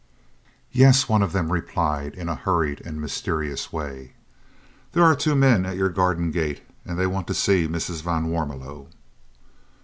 "Yes," one of them replied in a hurried and mysterious way. "There are two men at your garden gate and they want to see Mrs. van Warmelo."